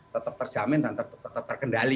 tetap terjamin dan tetap terkendali